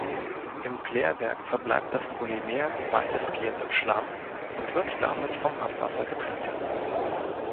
Im Klärwerk verbleibt das Polymer weitestgehend im Schlamm und wird damit vom Abwasser getrennt.